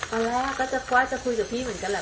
เอาล่ะก็จะกว้าจะคุยกับพี่เหมือนกันแหละ